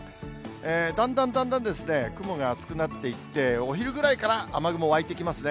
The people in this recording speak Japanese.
だんだんだんだんですね、雲が厚くなっていって、お昼ぐらいから雨雲湧いてきますね。